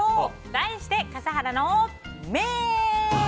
題して、笠原の眼！